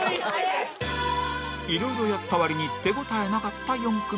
色々やった割に手応えなかった４組でした